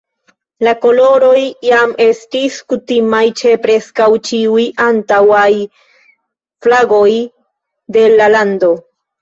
La koloroj jam estis kutimaj ĉe preskaŭ ĉiuj antaŭaj flagoj de la lando.